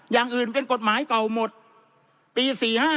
อย่างอื่นเป็นกฎหมายเก่าหมดปี๔๕